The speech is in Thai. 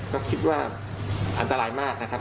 ก็คิดว่าอันตรายมากนะครับ